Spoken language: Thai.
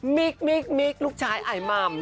นั่นคือมิกลูกชายไอม่ำ